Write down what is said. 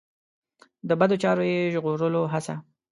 د بدو چارو یې ژغورلو هڅه.